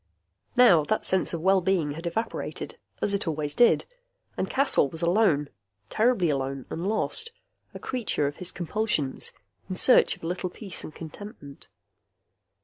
Now that sense of well being evaporated, as it always did, and Caswell was alone, terribly alone and lost, a creature of his compulsions, in search of a little peace and contentment.